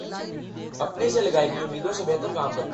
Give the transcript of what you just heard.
اپنے سے لگائی گئی امیدوں سے بہترکام کرتا ہوں